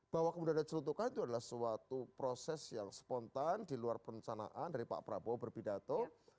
bahwa kemudian ada celutukan itu adalah suatu proses yang spontan di luar perencanaan dari pak prabowo berpidato